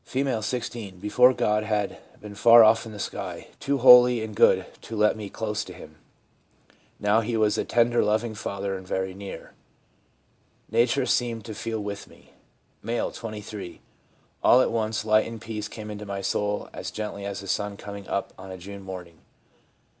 16. ' Before, God had been far off in the sky, too holy and good to let me get close to Him. Now He was a tender, loving Father, and very near. Nature seemed to feel with me/ M., 23. ' All at once light and peace came into my soul as gently as the sun coming* up on a June morning.